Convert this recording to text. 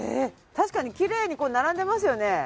確かにきれいに並んでますよね。